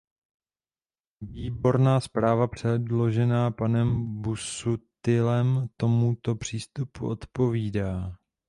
Výborná zpráva předložená panem Busuttilem tomuto přístupu odpovídá.